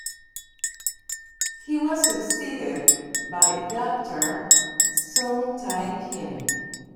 He was succeeded by Doctor Seung Tae Kim.